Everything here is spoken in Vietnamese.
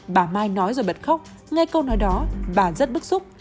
bà mai nói rồi bật khóc nghe câu nói đó bà rất bức xúc